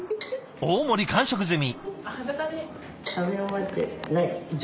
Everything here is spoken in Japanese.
大盛り完食済み。